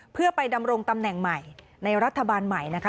เพื่อไปดำรงตำแหน่งใหม่ในรัฐบาลใหม่นะคะ